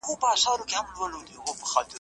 ته باید له خپل طبیعت سره مینه ولرې.